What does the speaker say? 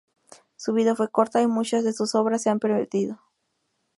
Su vida fue corta y muchas de sus obras se han perdido.